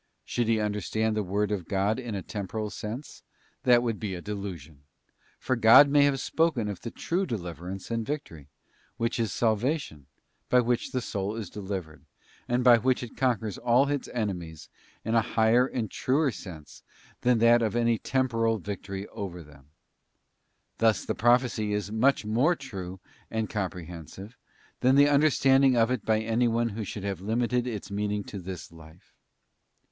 Should he understand the word of God in a temporal sense, that would be a delusion; for God may have spoken of the true deliverance and victory, which is salvation, by which the soul is delivered, and by which it conquers all its enemies in a higher and truer sense than that of any temporal victory over them. Thus the pro phecy is much more true and comprehensive than the under standing of it by anyone who should have limited its mean ing to this life.